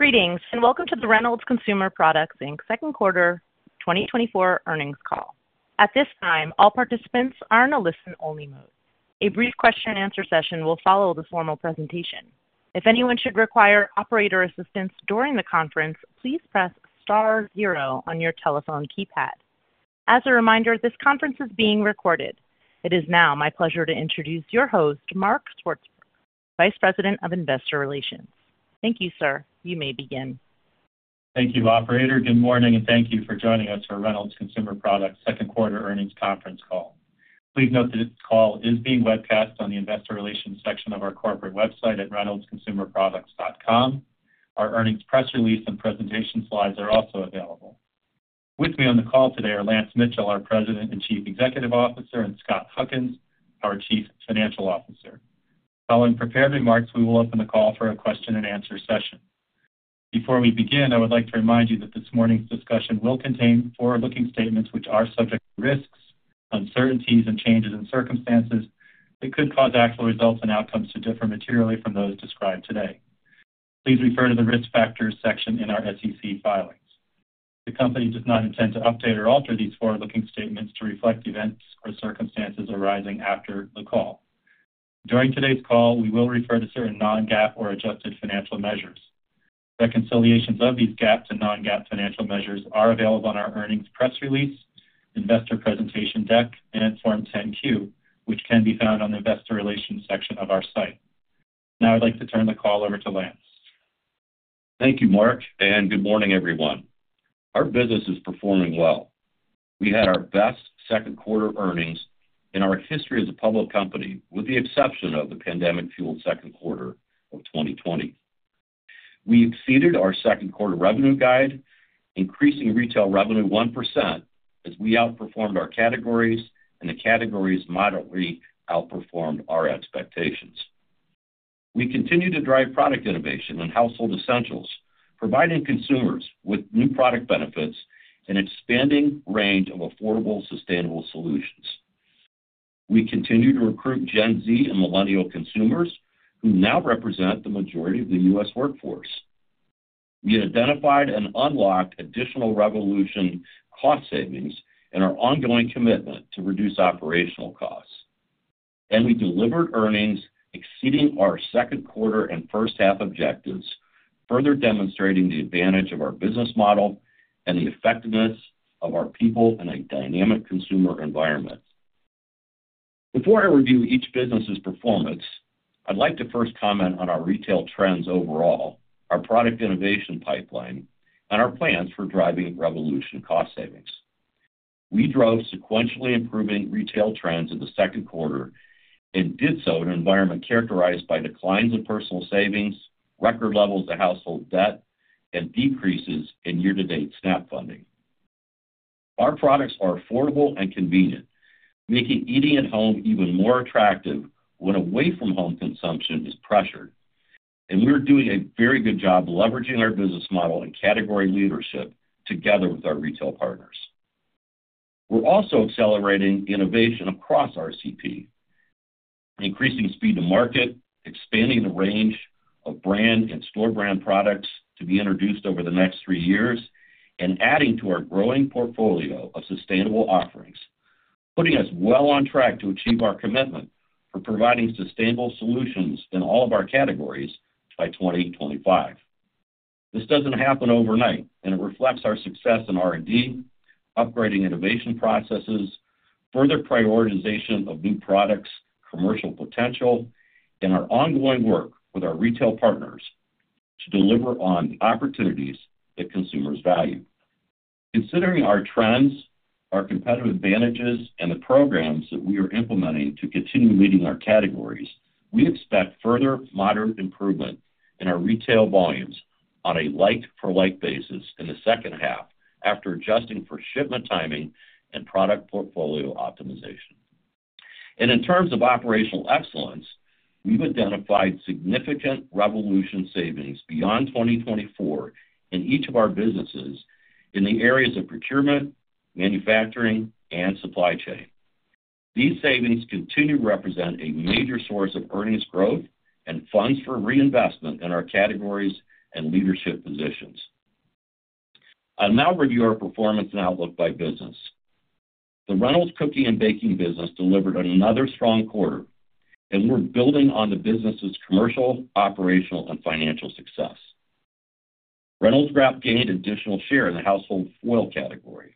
Greetings, and welcome to the Reynolds Consumer Products Inc. second quarter 2024 earnings call. At this time, all participants are in a listen-only mode. A brief question-and-answer session will follow this formal presentation. If anyone should require operator assistance during the conference, please press star zero on your telephone keypad. As a reminder, this conference is being recorded. It is now my pleasure to introduce your host, Mark Swartzberg, Vice President of Investor Relations. Thank you, sir. You may begin. Thank you, operator. Good morning, and thank you for joining us for Reynolds Consumer Products second quarter earnings conference call. Please note that this call is being webcast on the investor relations section of our corporate website at reynoldsconsumerproducts.com. Our earnings press release and presentation slides are also available. With me on the call today are Lance Mitchell, our President and Chief Executive Officer, and Scott Huckins, our Chief Financial Officer. Following prepared remarks, we will open the call for a question-and-answer session. Before we begin, I would like to remind you that this morning's discussion will contain forward-looking statements which are subject to risks, uncertainties, and changes in circumstances that could cause actual results and outcomes to differ materially from those described today. Please refer to the Risk Factors section in our SEC filings. The company does not intend to update or alter these forward-looking statements to reflect events or circumstances arising after the call. During today's call, we will refer to certain non-GAAP or adjusted financial measures. Reconciliations of these GAAP to non-GAAP financial measures are available on our earnings press release, investor presentation deck, and Form 10-Q, which can be found on the investor relations section of our site. Now I'd like to turn the call over to Lance. Thank you, Mark, and good morning, everyone. Our business is performing well. We had our best second quarter earnings in our history as a public company, with the exception of the pandemic-fueled second quarter of 2020. We exceeded our second quarter revenue guide, increasing retail revenue 1% as we outperformed our categories, and the categories moderately outperformed our expectations. We continue to drive product innovation and household essentials, providing consumers with new product benefits and expanding range of affordable, sustainable solutions. We continue to recruit Gen Z and millennial consumers, who now represent the majority of the U.S. workforce. We identified and unlocked additional Reyvolution cost savings and our ongoing commitment to reduce operational costs. We delivered earnings exceeding our second quarter and first half objectives, further demonstrating the advantage of our business model and the effectiveness of our people in a dynamic consumer environment. Before I review each business's performance, I'd like to first comment on our retail trends overall, our product innovation pipeline, and our plans for driving Reyvolution cost savings. We drove sequentially improving retail trends in the second quarter and did so in an environment characterized by declines in personal savings, record levels of household debt, and decreases in year-to-date SNAP funding. Our products are affordable and convenient, making eating at home even more attractive when away-from-home consumption is pressured. We're doing a very good job leveraging our business model and category leadership together with our retail partners. We're also accelerating innovation across RCP, increasing speed to market, expanding the range of brand and store brand products to be introduced over the next three years, and adding to our growing portfolio of sustainable offerings, putting us well on track to achieve our commitment for providing sustainable solutions in all of our categories by 2025. This doesn't happen overnight, and it reflects our success in R&D, upgrading innovation processes, further prioritization of new products, commercial potential, and our ongoing work with our retail partners to deliver on the opportunities that consumers value. Considering our trends, our competitive advantages, and the programs that we are implementing to continue leading our categories, we expect further moderate improvement in our retail volumes on a like-for-like basis in the second half, after adjusting for shipment timing and product portfolio optimization. In terms of operational excellence, we've identified significant Reyvolution savings beyond 2024 in each of our businesses in the areas of procurement, manufacturing, and supply chain. These savings continue to represent a major source of earnings growth and funds for reinvestment in our categories and leadership positions. I'll now review our performance and outlook by business. The Reynolds Cooking and Baking business delivered another strong quarter, and we're building on the business's commercial, operational, and financial success. Reynolds Wrap gained additional share in the household foil category.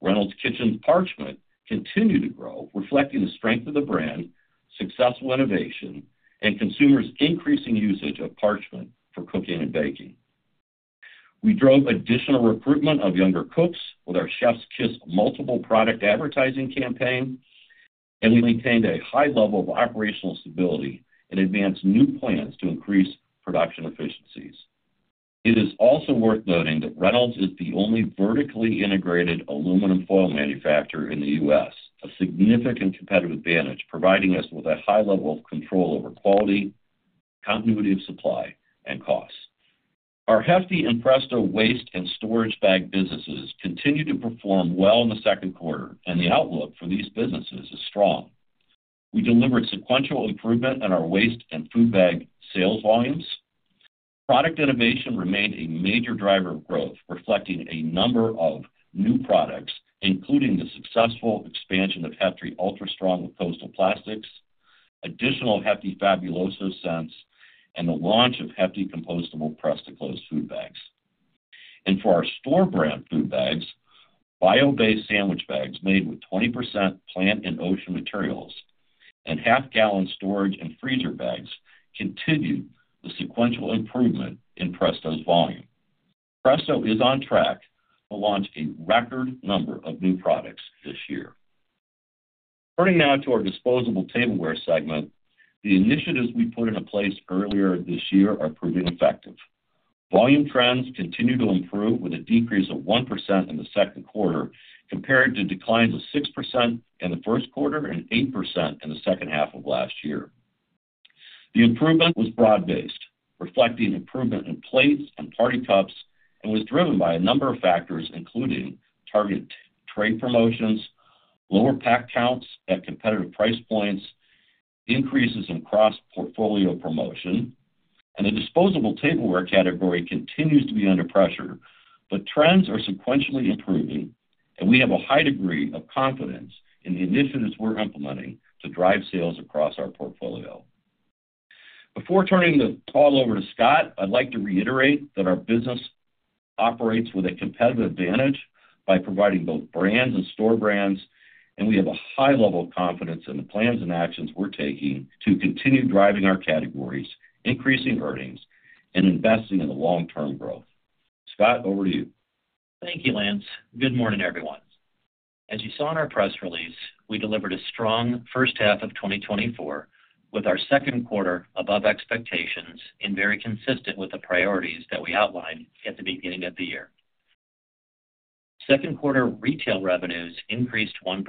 Reynolds Kitchens Parchment continued to grow, reflecting the strength of the brand, successful innovation, and consumers' increasing usage of parchment for cooking and baking. We drove additional recruitment of younger cooks with our Chef's Kiss multiple product advertising campaign, and we maintained a high level of operational stability and advanced new plans to increase production efficiencies. It is also worth noting that Reynolds is the only vertically integrated aluminum foil manufacturer in the U.S., a significant competitive advantage, providing us with a high level of control over quality, continuity of supply, and costs. Our Hefty and Presto waste and storage bag businesses continued to perform well in the second quarter, and the outlook for these businesses is strong. We delivered sequential improvement in our waste and food bag sales volumes. Product innovation remained a major driver of growth, reflecting a number of new products, including the successful expansion of Hefty Ultra Strong with Coastal Plastic, additional Hefty Fabuloso scents, and the launch of Hefty Compostable Press-to-Close food bags. And for our store brand food bags, bio-based sandwich bags made with 20% plant and ocean materials, and half-gallon storage and freezer bags continued the sequential improvement in Presto's volume. Presto is on track to launch a record number of new products this year. Turning now to our disposable tableware segment, the initiatives we put into place earlier this year are proving effective. Volume trends continue to improve, with a decrease of 1% in the second quarter, compared to declines of 6% in the first quarter and 8% in the second half of last year. The improvement was broad-based, reflecting improvement in plates and party cups, and was driven by a number of factors, including targeted trade promotions, lower pack counts at competitive price points, increases in cross-portfolio promotion, and the disposable tableware category continues to be under pressure. But trends are sequentially improving, and we have a high degree of confidence in the initiatives we're implementing to drive sales across our portfolio. Before turning the call over to Scott, I'd like to reiterate that our business operates with a competitive advantage by providing both brands and store brands, and we have a high level of confidence in the plans and actions we're taking to continue driving our categories, increasing earnings, and investing in the long-term growth. Scott, over to you. Thank you, Lance. Good morning, everyone. As you saw in our press release, we delivered a strong first half of 2024, with our second quarter above expectations and very consistent with the priorities that we outlined at the beginning of the year. Second quarter retail revenues increased 1%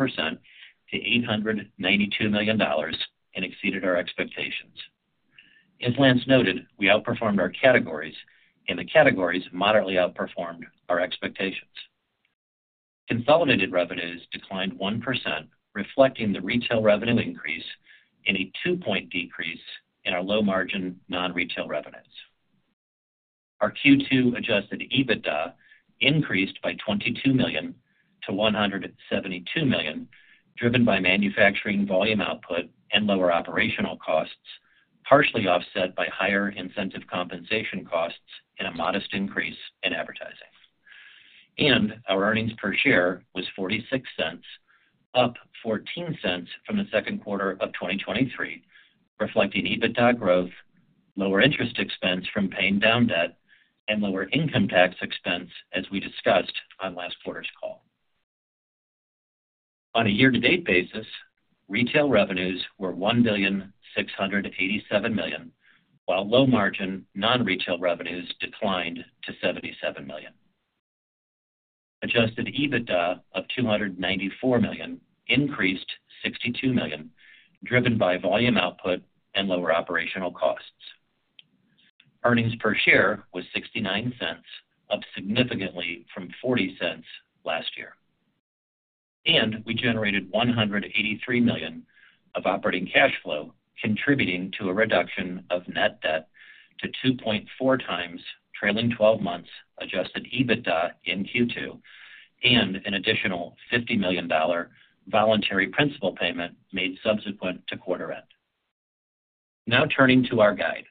to $892 million and exceeded our expectations. As Lance noted, we outperformed our categories, and the categories moderately outperformed our expectations. Consolidated revenues declined 1%, reflecting the retail revenue increase and a 2-point decrease in our low-margin non-retail revenues. Our Q2 Adjusted EBITDA increased by $22 million to $172 million, driven by manufacturing volume output and lower operational costs, partially offset by higher incentive compensation costs and a modest increase in advertising. Our earnings per share was $0.46, up $0.14 from the second quarter of 2023, reflecting EBITDA growth, lower interest expense from paying down debt, and lower income tax expense, as we discussed on last quarter's call. On a year-to-date basis, retail revenues were $1.687 billion, while low-margin non-retail revenues declined to $77 million. Adjusted EBITDA of $294 million increased $62 million, driven by volume output and lower operational costs. Earnings per share was $0.69, up significantly from $0.40 last year. We generated $183 million of operating cash flow, contributing to a reduction of net debt to 2.4 times trailing twelve months adjusted EBITDA in Q2, and an additional $50 million voluntary principal payment made subsequent to quarter end. Now turning to our guide.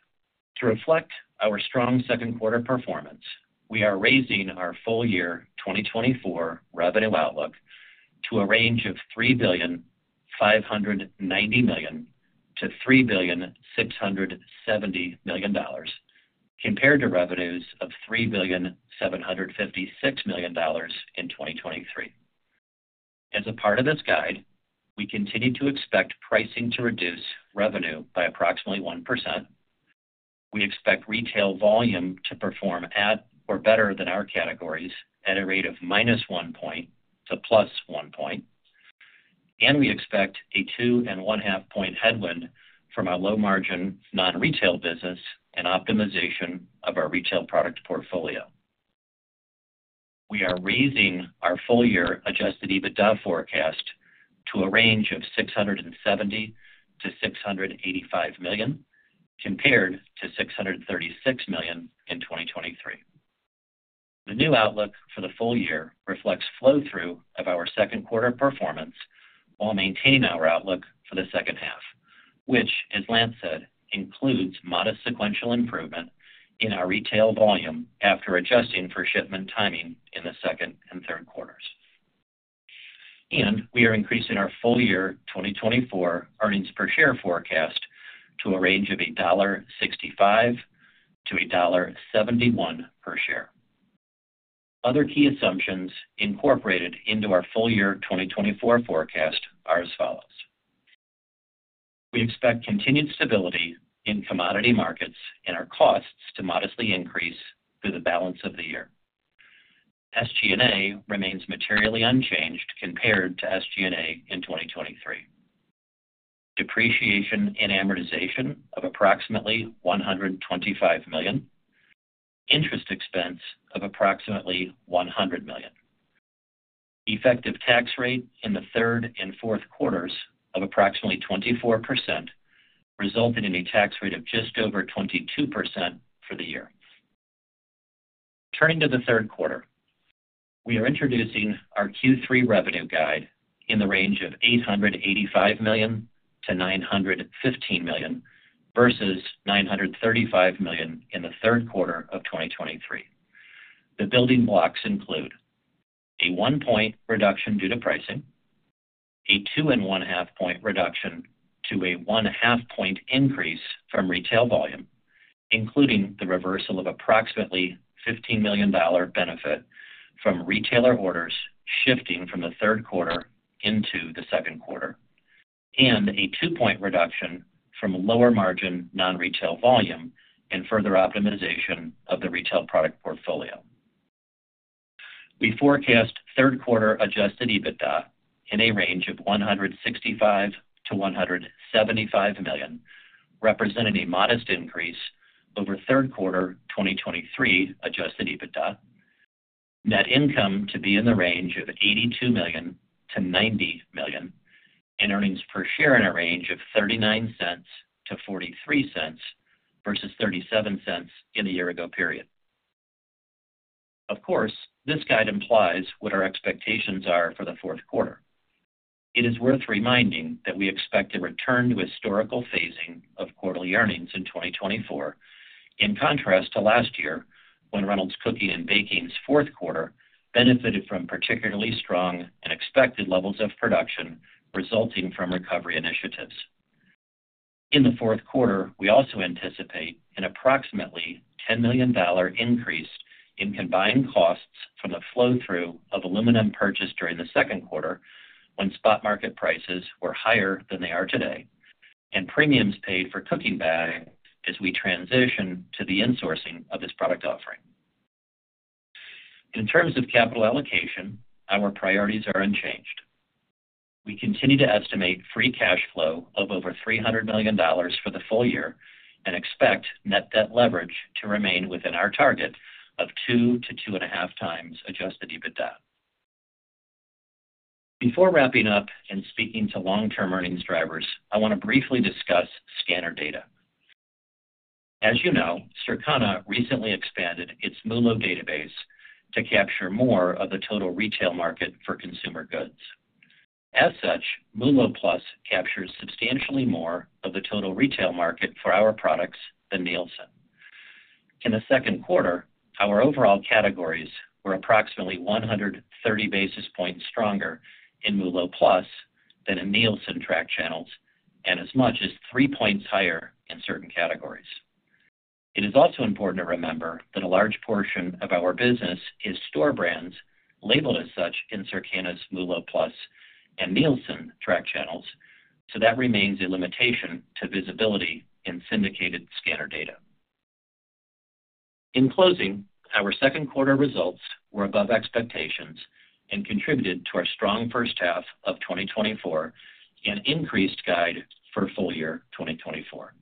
To reflect our strong second quarter performance, we are raising our full-year 2024 revenue outlook to a range of $3.59 billion-$3.67 billion, compared to revenues of $3.756 billion in 2023. As a part of this guide, we continue to expect pricing to reduce revenue by approximately 1%. We expect retail volume to perform at or better than our categories at a rate of -1% to +1%. And we expect a 2.5-point headwind from our low-margin non-retail business and optimization of our retail product portfolio. We are raising our full-year adjusted EBITDA forecast to a range of $670 million-$685 million, compared to $636 million in 2023. The new outlook for the full year reflects flow-through of our second quarter performance while maintaining our outlook for the second half, which, as Lance said, includes modest sequential improvement in our retail volume after adjusting for shipment timing in the second and third quarters. We are increasing our full-year 2024 earnings per share forecast to a range of $1.65-$1.71 per share. Other key assumptions incorporated into our full-year 2024 forecast are as follows: We expect continued stability in commodity markets and our costs to modestly increase through the balance of the year. SG&A remains materially unchanged compared to SG&A in 2023. Depreciation and amortization of approximately $125 million. Interest expense of approximately $100 million. Effective tax rate in the third and fourth quarters of approximately 24%, resulting in a tax rate of just over 22% for the year. Turning to the third quarter, we are introducing our Q3 revenue guide in the range of $885 million-$915 million, versus $935 million in the third quarter of 2023. The building blocks include a 1-point reduction due to pricing, a 2.5-point reduction to a 0.5-point increase from retail volume, including the reversal of approximately $15 million benefit from retailer orders shifting from the third quarter into the second quarter, and a 2-point reduction from lower margin non-retail volume and further optimization of the retail product portfolio. We forecast third quarter adjusted EBITDA in a range of $165 million-$175 million, representing a modest increase over third quarter 2023 adjusted EBITDA. Net income to be in the range of $82 million-$90 million, and earnings per share in a range of $0.39-$0.43 versus $0.37 in the year ago period. Of course, this guide implies what our expectations are for the fourth quarter. It is worth reminding that we expect a return to historical phasing of quarterly earnings in 2024, in contrast to last year, when Reynolds Cooking and Baking's fourth quarter benefited from particularly strong and expected levels of production resulting from recovery initiatives. In the fourth quarter, we also anticipate an approximately $10 million increase in combined costs from the flow-through of aluminum purchased during the second quarter, when spot market prices were higher than they are today, and premiums paid for cooking bag as we transition to the insourcing of this product offering. In terms of capital allocation, our priorities are unchanged. We continue to estimate free cash flow of over $300 million for the full year and expect net debt leverage to remain within our target of 2-2.5 times adjusted EBITDA. Before wrapping up and speaking to long-term earnings drivers, I want to briefly discuss scanner data. As you know, Circana recently expanded its MULO database to capture more of the total retail market for consumer goods. As such, MULO+ captures substantially more of the total retail market for our products than Nielsen. In the second quarter, our overall categories were approximately 130 basis points stronger in MULO+ than in Nielsen Track Channels, and as much as 3 points higher in certain categories. It is also important to remember that a large portion of our business is store brands labeled as such in Circana's MULO+ and Nielsen Track Channels, so that remains a limitation to visibility in syndicated scanner data. In closing, our second quarter results were above expectations and contributed to our strong first half of 2024 and increased guide for full year 2024.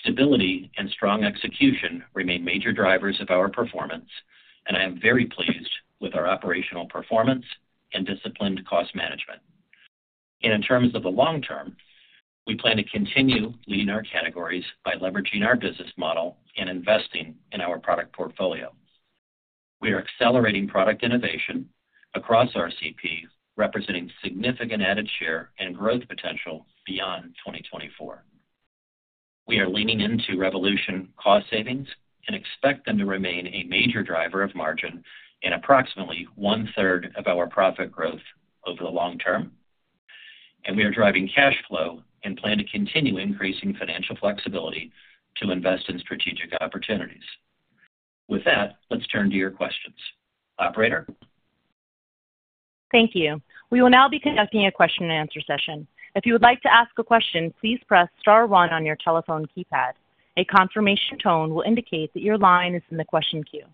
Stability and strong execution remain major drivers of our performance, and I am very pleased with our operational performance and disciplined cost management. In terms of the long term, we plan to continue leading our categories by leveraging our business model and investing in our product portfolio. We are accelerating product innovation across RCP, representing significant added share and growth potential beyond 2024. We are leaning into Reyvolution cost savings and expect them to remain a major driver of margin in approximately one third of our profit growth over the long term, and we are driving cash flow and plan to continue increasing financial flexibility to invest in strategic opportunities. With that, let's turn to your questions. Operator? Thank you. We will now be conducting a question and answer session. If you would like to ask a question, please press star one on your telephone keypad. A confirmation tone will indicate that your line is in the question queue.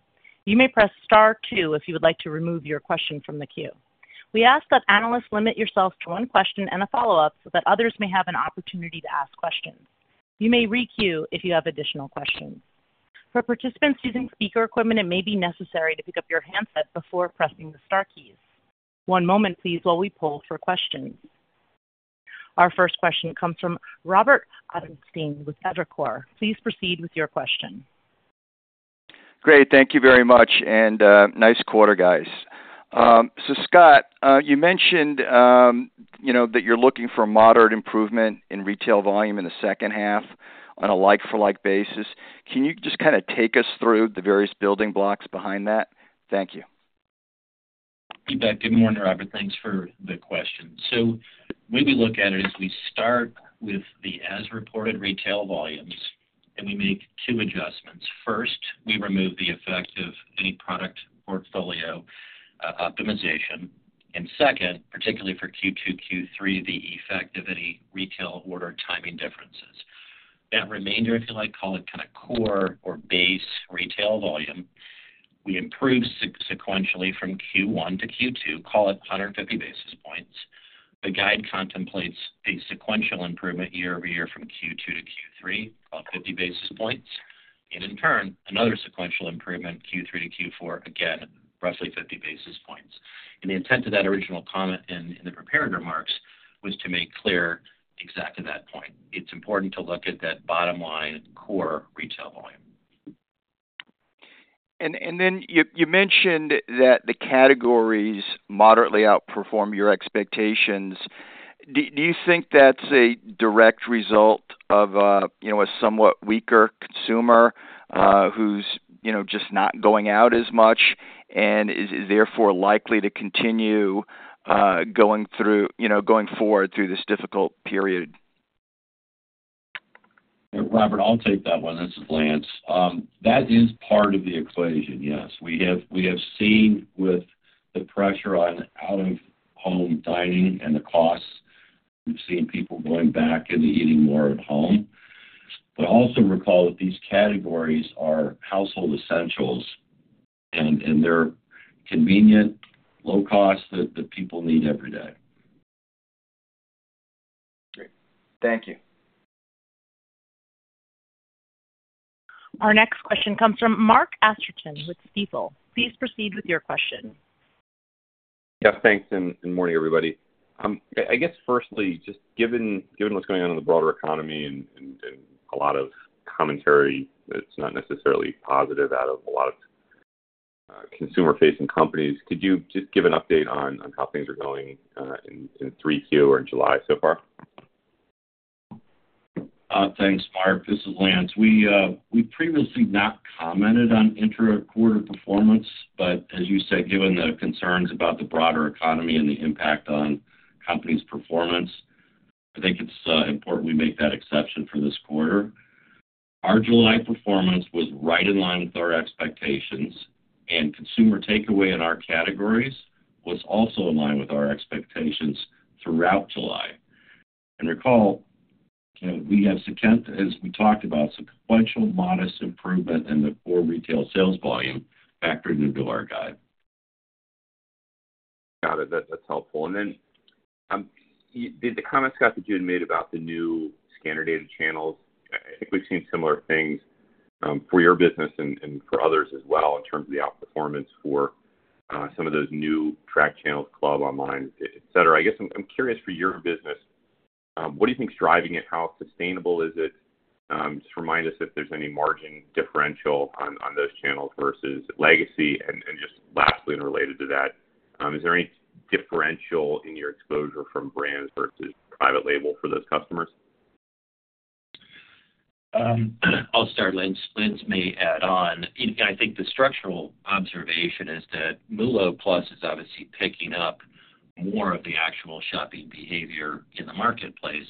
You may press star two if you would like to remove your question from the queue. We ask that analysts limit yourselves to one question and a follow-up, so that others may have an opportunity to ask questions. You may re-queue if you have additional questions. For participants using speaker equipment, it may be necessary to pick up your handset before pressing the star keys. One moment, please, while we poll for questions. Our first question comes from Rob Ottenstein with Evercore ISI. Please proceed with your question. Great. Thank you very much, and, nice quarter, guys. So Scott, you mentioned, you know, that you're looking for a moderate improvement in retail volume in the second half on a like-for-like basis. Can you just kinda take us through the various building blocks behind that? Thank you. You bet. Good morning, Robert. Thanks for the question. So the way we look at it is we start with the as-reported retail volumes, and we make two adjustments. First, we remove the effect of any product portfolio optimization. And second, particularly for Q2, Q3, the effect of any retail order timing differences. That remainder, if you like, call it kinda core or base retail volume. We improved sequentially from Q1 to Q2, call it 150 basis points. The guide contemplates a sequential improvement year-over-year from Q2 to Q3 of 50 basis points, and in turn, another sequential improvement, Q3 to Q4, again, roughly 50 basis points. And the intent of that original comment in the prepared remarks was to make clear exactly that point. It's important to look at that bottom line, core retail volume. Then you mentioned that the categories moderately outperformed your expectations. Do you think that's a direct result of a, you know, a somewhat weaker consumer, who's, you know, just not going out as much and is therefore likely to continue going through, you know, going forward through this difficult period? Robert, I'll take that one. This is Lance. That is part of the equation, yes. We have, we have seen with the pressure on out-of-home dining and the costs, we've seen people going back into eating more at home. But also recall that these categories are household essentials, and, and they're convenient, low cost, that, that people need every day. Great. Thank you. Our next question comes from Mark Astrachan with Stifel. Please proceed with your question. Yes, thanks, and morning, everybody. I guess, firstly, just given what's going on in the broader economy and a lot of commentary that's not necessarily positive out of a lot of consumer-facing companies, could you just give an update on how things are going in 3Q or in July so far? Thanks, Mark. This is Lance. We, we previously not commented on interquarter performance, but as you said, given the concerns about the broader economy and the impact on company's performance, I think it's important we make that exception for this quarter. Our July performance was right in line with our expectations, and consumer takeaway in our categories was also in line with our expectations throughout July. And recall, you know, we have sequential, as we talked about, modest improvement in the core retail sales volume, factored into our guide. Got it. That's helpful. And then, the comments, Scott, that you had made about the new scanner data channels, I think we've seen similar things for your business and for others as well, in terms of the outperformance for some of those new track channels, club, online, et cetera. I guess I'm curious for your business what do you think is driving it? How sustainable is it? Just remind us if there's any margin differential on those channels versus legacy. And just lastly, and related to that, is there any differential in your exposure from brands versus private label for those customers? I'll start, Lance. Lance may add on. I think the structural observation is that MULO+ is obviously picking up more of the actual shopping behavior in the marketplace.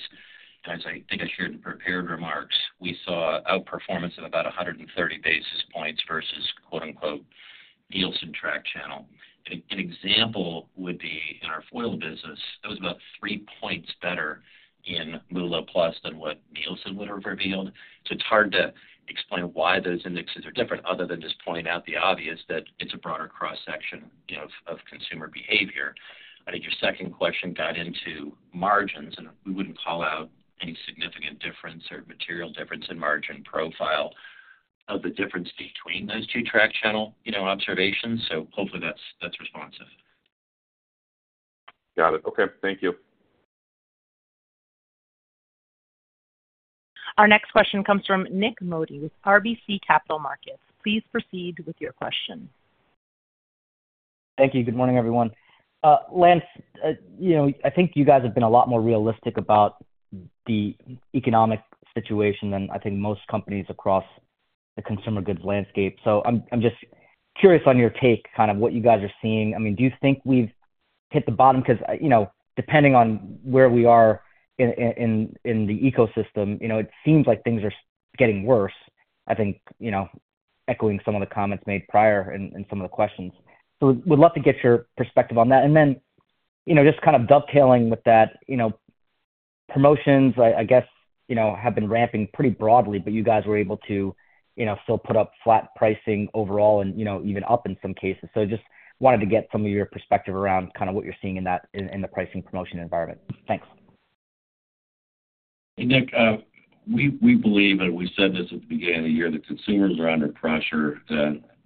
As I think I shared in prepared remarks, we saw outperformance of about 130 basis points versus, quote, unquote, "Nielsen Track Channel." An example would be in our foil business, that was about 3 points better in MULO+ than what Nielsen would have revealed. So it's hard to explain why those indexes are different other than just pointing out the obvious, that it's a broader cross-section, you know, of consumer behavior. I think your second question got into margins, and we wouldn't call out any significant difference or material difference in margin profile of the difference between those two track channel, you know, observations. So hopefully that's responsive. Got it. Okay, thank you. Our next question comes from Nick Modi with RBC Capital Markets. Please proceed with your question. Thank you. Good morning, everyone. Lance, you know, I think you guys have been a lot more realistic about the economic situation than I think most companies across the consumer goods landscape. So I'm just curious on your take, kind of what you guys are seeing. I mean, do you think we've hit the bottom? Because, you know, depending on where we are in the ecosystem, you know, it seems like things are getting worse, I think, you know, echoing some of the comments made prior and some of the questions. So would love to get your perspective on that. And then, you know, just kind of dovetailing with that, you know, promotions, I guess, you know, have been ramping pretty broadly, but you guys were able to, you know, still put up flat pricing overall and, you know, even up in some cases. So just wanted to get some of your perspective around kind of what you're seeing in that, in the pricing promotion environment. Thanks. Nick, we, we believe, and we said this at the beginning of the year, that consumers are under pressure.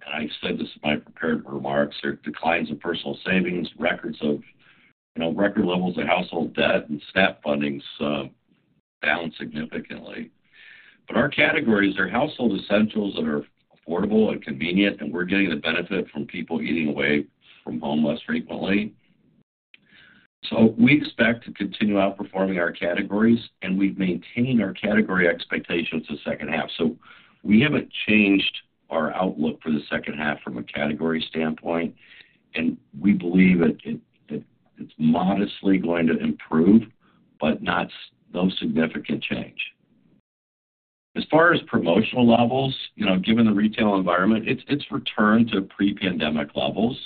And I said this in my prepared remarks, there are declines in personal savings, records of, you know, record levels of household debt and SNAP fundings down significantly. But our categories are household essentials that are affordable and convenient, and we're getting the benefit from people eating away from home less frequently. So we expect to continue outperforming our categories, and we've maintained our category expectations the second half. So we haven't changed our outlook for the second half from a category standpoint, and we believe that it, it, it's modestly going to improve, but not, no significant change. As far as promotional levels, you know, given the retail environment, it's, it's returned to pre-pandemic levels,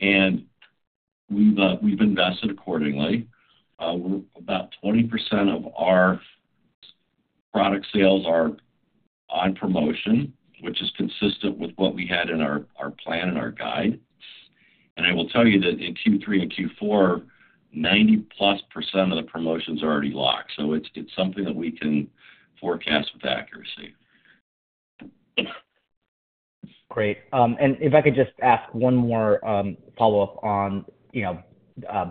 and we've, we've invested accordingly. We're about 20% of our... product sales are on promotion, which is consistent with what we had in our plan and our guide. I will tell you that in Q3 and Q4, 90%+ of the promotions are already locked, so it's something that we can forecast with accuracy. Great. And if I could just ask one more follow-up on, you know,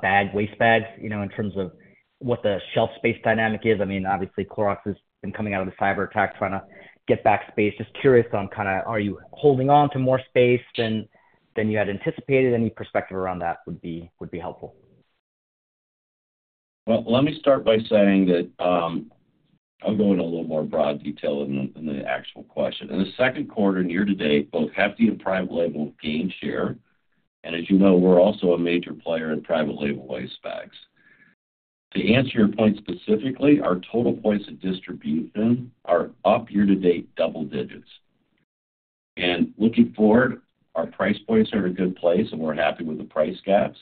bag, waste bags, you know, in terms of what the shelf space dynamic is. I mean, obviously, Clorox has been coming out of the cyberattack, trying to get back space. Just curious on kind of, are you holding on to more space than you had anticipated? Any perspective around that would be helpful. Well, let me start by saying that, I'll go into a little more broad detail than the actual question. In the second quarter, year to date, both Hefty and private label gained share, and as you know, we're also a major player in private label waste bags. To answer your point specifically, our total points of distribution are up year-to-date double digits. And looking forward, our price points are in a good place, and we're happy with the price gaps.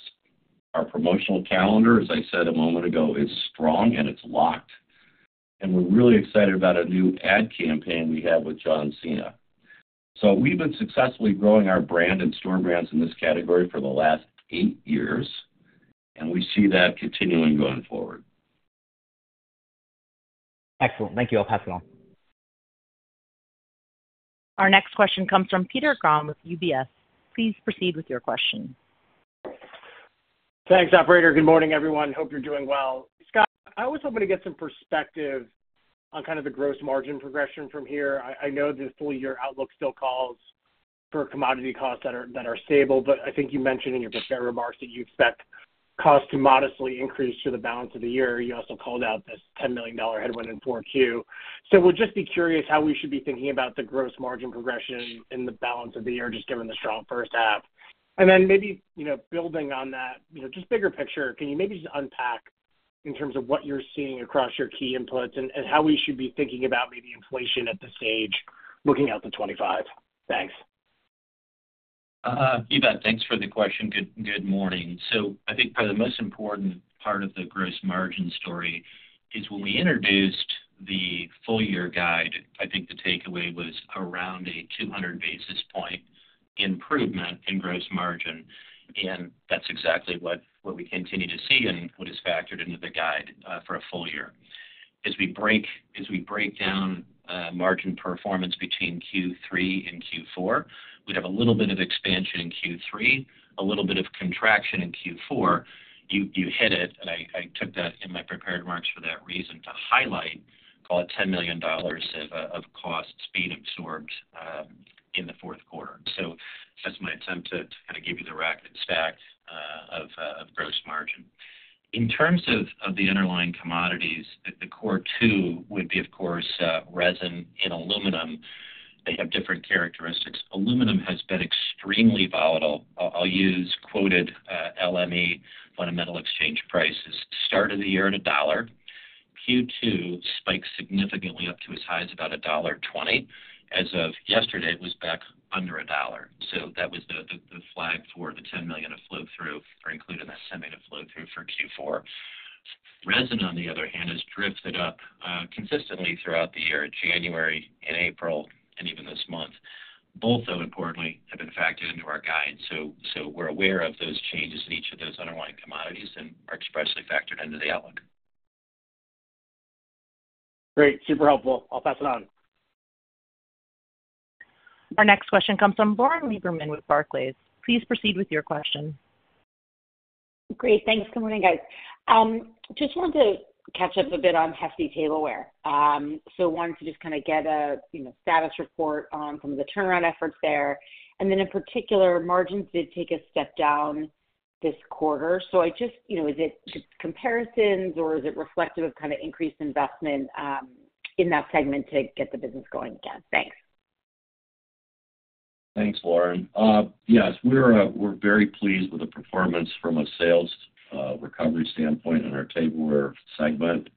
Our promotional calendar, as I said a moment ago, is strong and it's locked. And we're really excited about a new ad campaign we have with John Cena. So we've been successfully growing our brand and store brands in this category for the last eight years, and we see that continuing going forward. Excellent. Thank you. I'll pass it on. Our next question comes from Peter Grom with UBS. Please proceed with your question. Thanks, operator. Good morning, everyone. Hope you're doing well. Scott, I was hoping to get some perspective on kind of the gross margin progression from here. I, I know the full year outlook still calls for commodity costs that are, that are stable, but I think you mentioned in your prepared remarks that you expect costs to modestly increase through the balance of the year. You also called out this $10 million headwind in Q4. So we'll just be curious how we should be thinking about the gross margin progression in the balance of the year, just given the strong first half. And then maybe, you know, building on that, you know, just bigger picture, can you maybe just unpack in terms of what you're seeing across your key inputs and, and how we should be thinking about maybe inflation at this stage, looking out to 2025? Thanks. You bet. Thanks for the question. Good morning. So I think probably the most important part of the gross margin story is when we introduced the full year guide, I think the takeaway was around a 200 basis point improvement in gross margin, and that's exactly what we continue to see and what is factored into the guide for a full year. As we break down margin performance between Q3 and Q4, we'd have a little bit of expansion in Q3, a little bit of contraction in Q4. You hit it, and I took that in my prepared remarks for that reason, to highlight, call it $10 million of costs being absorbed in the fourth quarter. So that's my attempt to kind of give you the racket stack of gross margin. In terms of the underlying commodities, the core two would be, of course, resin and aluminum. They have different characteristics. Aluminum has been extremely volatile. I'll use quoted LME fundamental exchange prices, started the year at $1. Q2 spiked significantly up to as high as about $1.20. As of yesterday, it was back under $1. So that was the flag for the $10 million of flow-through or include in that $10 million of flow-through for Q4. Resin, on the other hand, has drifted up consistently throughout the year, January and April, and even this month. Both, though, importantly, have been factored into our guide. So we're aware of those changes in each of those underlying commodities and are expressly factored into the outlook. Great. Super helpful. I'll pass it on. Our next question comes from Lauren Lieberman with Barclays. Please proceed with your question. Great. Thanks. Good morning, guys. Just wanted to catch up a bit on Hefty Tableware. So wanted to just kind of get a, you know, status report on some of the turnaround efforts there. And then in particular, margins did take a step down this quarter. So I just, you know, is it just comparisons or is it reflective of kind of increased investment, in that segment to get the business going again? Thanks. Thanks, Lauren. Yes, we're very pleased with the performance from a sales recovery standpoint in our tableware segment.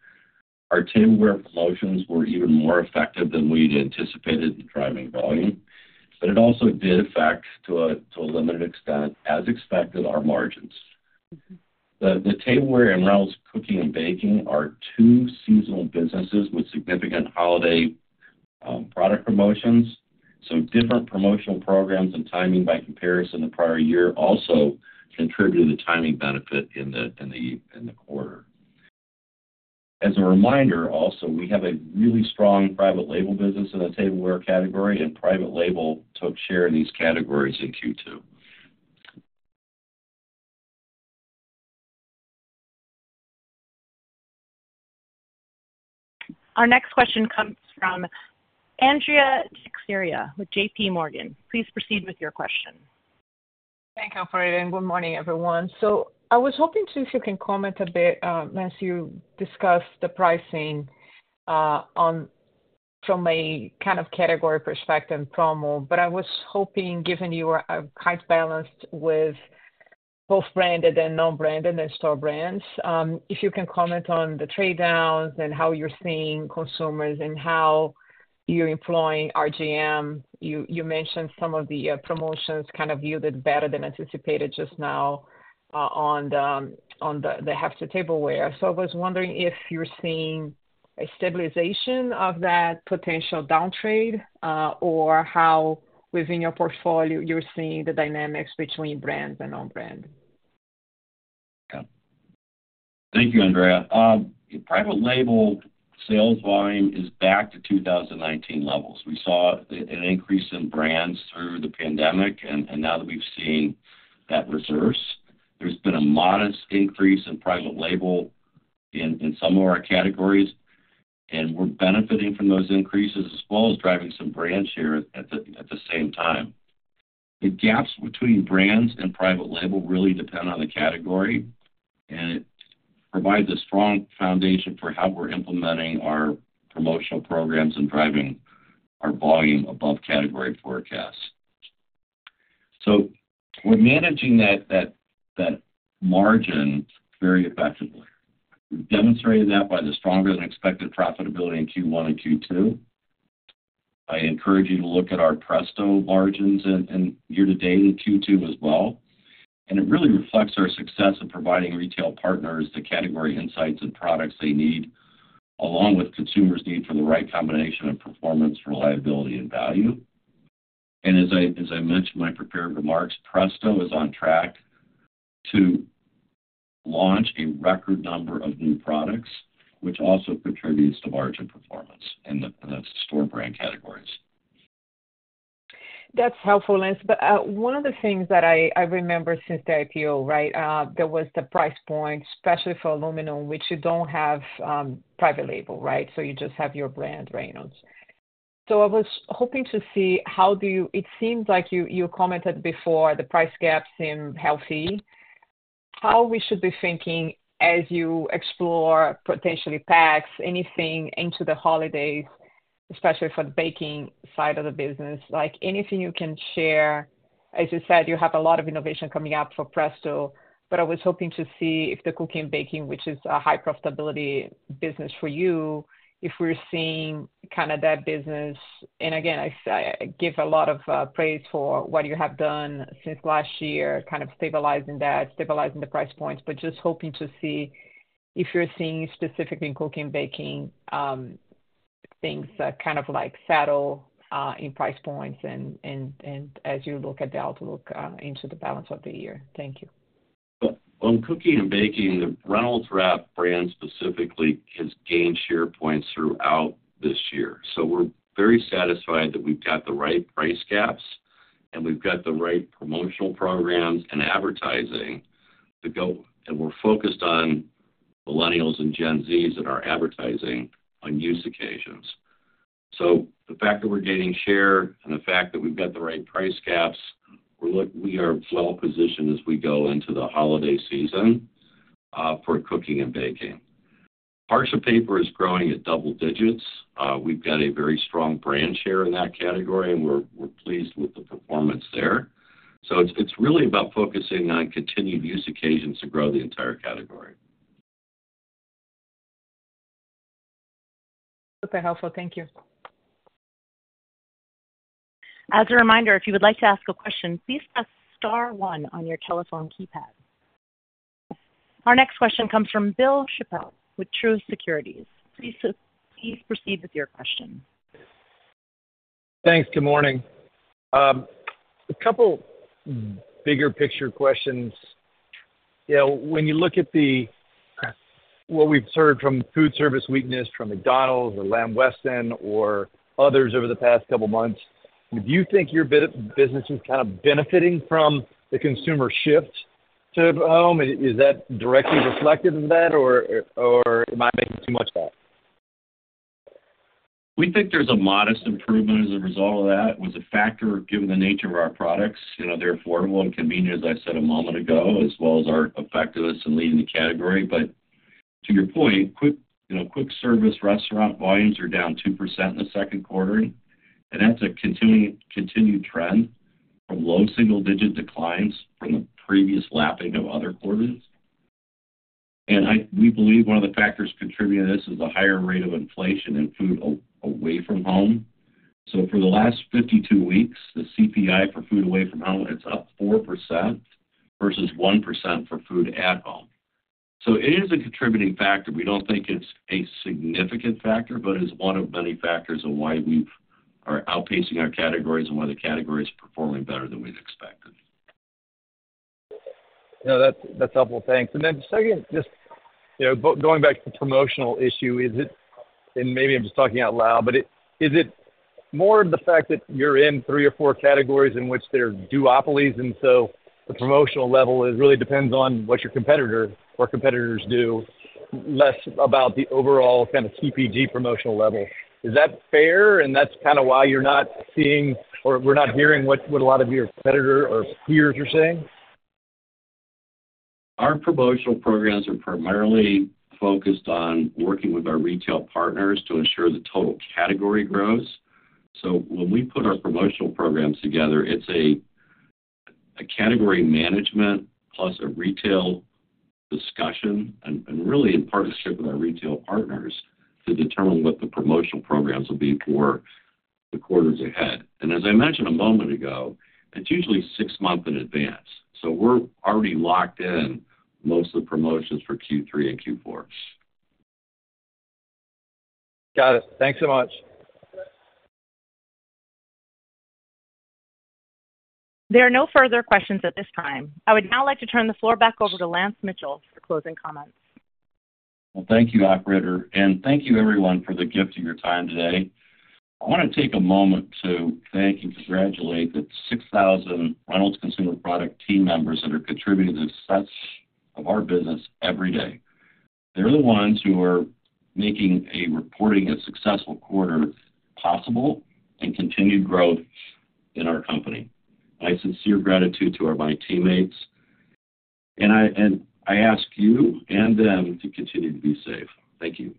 Our tableware promotions were even more effective than we'd anticipated in driving volume, but it also did affect, to a limited extent, as expected, our margins. The tableware and Reynolds cooking and baking are two seasonal businesses with significant holiday product promotions. So different promotional programs and timing by comparison to the prior year also contributed to the timing benefit in the quarter. As a reminder, also, we have a really strong private label business in the tableware category, and private label took share in these categories in Q2. Our next question comes from Andrea Teixeira with J.P. Morgan. Please proceed with your question. Thank you, operator, and good morning, everyone. I was hoping to see if you can comment a bit, as you discuss the pricing, on from a kind of category perspective and promo. But I was hoping, given you are, quite balanced with both branded and non-branded and store brands, if you can comment on the trade downs and how you're seeing consumers and how- ... you're employing RGM. You mentioned some of the promotions kind of yielded better than anticipated just now on the household tableware. So I was wondering if you're seeing a stabilization of that potential downtrade or how within your portfolio you're seeing the dynamics between brands and own-brand? Yeah. Thank you, Andrea. Private label sales volume is back to 2019 levels. We saw an increase in brands through the pandemic, and now that we've seen that reverse, there's been a modest increase in private label in some of our categories, and we're benefiting from those increases, as well as driving some brand share at the same time. The gaps between brands and private label really depend on the category, and it provides a strong foundation for how we're implementing our promotional programs and driving our volume above category forecasts. So we're managing that margin very effectively. We've demonstrated that by the stronger than expected profitability in Q1 and Q2. I encourage you to look at our Presto margins in year to date in Q2 as well, and it really reflects our success in providing retail partners the category insights and products they need, along with consumers' need for the right combination of performance, reliability, and value. As I mentioned in my prepared remarks, Presto is on track to launch a record number of new products, which also contributes to margin performance in those store brand categories. That's helpful, Lance. But one of the things that I remember since the IPO, right, there was the price point, especially for aluminum, which you don't have private label, right? So you just have your brand, Reynolds. So I was hoping to see how do you. It seems like you commented before, the price gaps seem healthy. How we should be thinking as you explore potentially packs, anything into the holidays, especially for the baking side of the business. Like, anything you can share? As you said, you have a lot of innovation coming up for Presto, but I was hoping to see if the cooking and baking, which is a high profitability business for you, if we're seeing kind of that business. And again, I give a lot of praise for what you have done since last year, kind of stabilizing that, stabilizing the price points, but just hoping to see if you're seeing specifically in cooking, baking, things that kind of like settle in price points and as you look at the outlook into the balance of the year. Thank you. On cooking and baking, the Reynolds Wrap brand specifically has gained share points throughout this year. So we're very satisfied that we've got the right price gaps, and we've got the right promotional programs and advertising to go. And we're focused on millennials and Gen Zs in our advertising on use occasions. So the fact that we're gaining share and the fact that we've got the right price gaps, we are well positioned as we go into the holiday season for cooking and baking. Parchment paper is growing at double digits. We've got a very strong brand share in that category, and we're pleased with the performance there. So it's really about focusing on continued use occasions to grow the entire category. Super helpful. Thank you. As a reminder, if you would like to ask a question, please press star one on your telephone keypad. Our next question comes from Bill Chappell with Truist Securities. Please, please proceed with your question. Thanks. Good morning. A couple bigger picture questions. You know, when you look at the, what we've heard from food service weakness from McDonald's or Lamb Weston or others over the past couple months, do you think your business is kind of benefiting from the consumer shift to home? Is that directly reflected in that, or am I making too much of that? We think there's a modest improvement as a result of that. It was a factor, given the nature of our products. You know, they're affordable and convenient, as I said a moment ago, as well as our effectiveness in leading the category. But to your point, you know, quick service restaurant volumes are down 2% in the second quarter, and that's a continued trend from low single-digit declines from the previous lapping of other quarters. And we believe one of the factors contributing to this is a higher rate of inflation in food away from home. So for the last 52 weeks, the CPI for food away from home is up 4% versus 1% for food at home. So it is a contributing factor. We don't think it's a significant factor, but it's one of many factors on why we are outpacing our categories and why the category is performing better than we'd expected. No, that's helpful. Thanks. And then second, just, you know, going back to the promotional issue, is it, and maybe I'm just talking out loud, but is it more the fact that you're in three or four categories in which there are duopolies, and so the promotional level is really depends on what your competitor or competitors do, less about the overall kind of CPG promotional level? Is that fair, and that's kind of why you're not seeing, or we're not hearing what a lot of your competitor or peers are saying? Our promotional programs are primarily focused on working with our retail partners to ensure the total category grows. So when we put our promotional programs together, it's a category management plus a retail discussion and really in partnership with our retail partners to determine what the promotional programs will be for the quarters ahead. As I mentioned a moment ago, it's usually six months in advance, so we're already locked in most of the promotions for Q3 and Q4. Got it. Thanks so much. There are no further questions at this time. I would now like to turn the floor back over to Lance Mitchell for closing comments. Well, thank you, operator, and thank you everyone for the gift of your time today. I want to take a moment to thank and congratulate the 6,000 Reynolds Consumer Products team members that are contributing to the success of our business every day. They're the ones who are making reporting a successful quarter possible and continued growth in our company. My sincere gratitude to my teammates, and I ask you and them to continue to be safe. Thank you.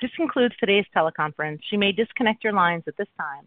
This concludes today's teleconference. You may disconnect your lines at this time.